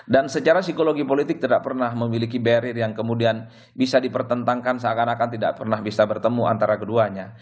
dan secara psikologi politik tidak pernah memiliki barrier yang kemudian bisa dipertentangkan seakan akan tidak pernah bisa bertemu antara keduanya